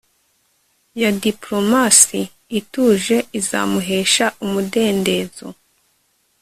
ya diplomasi ituje izamuhesha umudendezo